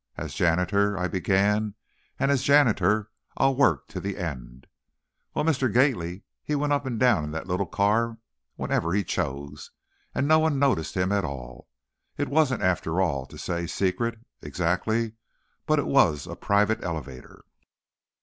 As janitor I began, and as janitor I'll work to the end. Well, Mr. Gately, he went up and down in the little car whenever he chose, and no one noticed him at all. It wasn't, after all, to say, secret, exactly, but it was a private elevator."